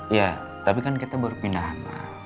iya tapi kan kita baru pindah anak